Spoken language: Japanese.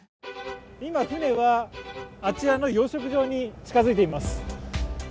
今、船は、あちらの養殖場に近づいています。